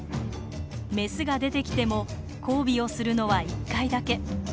メスが出てきても交尾をするのは一回だけ。